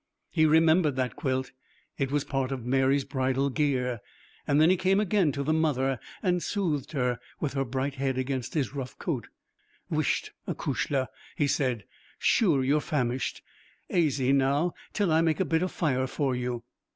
He remembered that quilt: it was part of Mary's bridal gear. Then he came again to the mother and soothed her, with her bright head against his rough coat. 'Whisht, acushla,' he said, 'sure you're famished. Aisy now, till I make a bit of fire for you.'